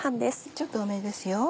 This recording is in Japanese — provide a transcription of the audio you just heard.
ちょっと多めですよ。